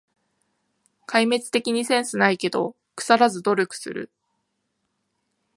壊滅的にセンスないけど、くさらず努力する